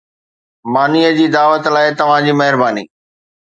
ماني جي دعوت لاءِ توهان جي مهرباني